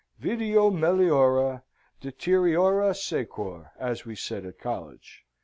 Video meliora, deteriora sequor, as we said at college.